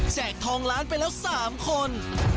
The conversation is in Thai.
แจกทองล้านไปแล้วสามคน